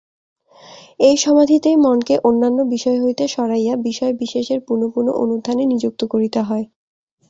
এই সমাধিতেই মনকে অন্যান্য বিষয় হইতে সরাইয়া বিষয়বিশেষের পুনঃপুন অনুধ্যানে নিযুক্ত করিতে হয়।